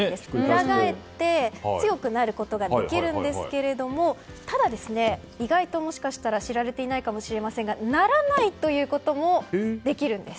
裏返って強くなることができるんですがただ、意外ともしかしたら知られていないかもしれませんが成らないということもできるんです。